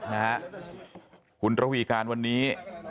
หุ่นตระหวี่การวันนี้